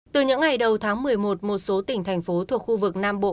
từ những ngày đầu tháng một mươi một một số tỉnh thành phố thuộc khu vực nam bộ